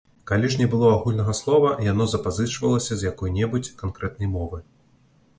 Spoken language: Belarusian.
Калі ж не было агульнага слова, яно запазычвалася з якой-небудзь канкрэтнай мовы.